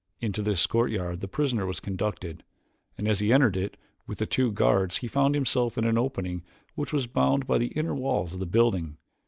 Into this courtyard the prisoner was conducted, and as he entered it with the two guards he found himself in an opening which was bounded by the inner walls of the building.